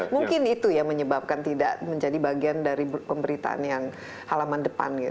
mungkin itu yang menyebabkan tidak menjadi bagian dari pemberitaan yang halaman depan